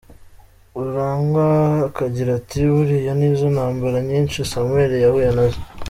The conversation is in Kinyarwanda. Rurangwa akagira ati: “Buriya nizo ntambara nyinshi Samuel yahuye nazo.”